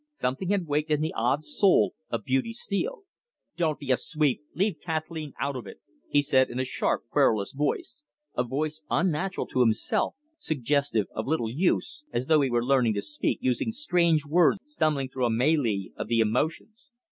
Something had waked in the odd soul of Beauty Steele. "Don't be a sweep leave Kathleen out of it!" he said, in a sharp, querulous voice a voice unnatural to himself, suggestive of little use, as though he were learning to speak, using strange words stumblingly through a melee of the emotions.